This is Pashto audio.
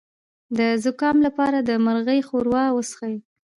د زکام لپاره د مرغۍ ښوروا وڅښئ